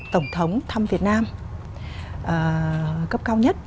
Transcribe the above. tổng thống thăm việt nam cấp cao nhất